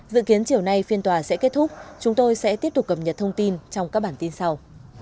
dự kiến chiều nay phiên tòa sẽ kết thúc chúng tôi sẽ tiếp tục cập nhật thông tin trong các bản tin sau